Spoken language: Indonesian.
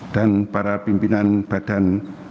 dan para pimpinan badan